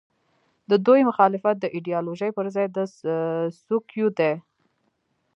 د دوی مخالفت د ایډیالوژۍ پر ځای د څوکیو دی.